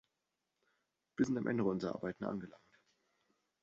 Wir sind am Ende unserer Arbeiten angelangt.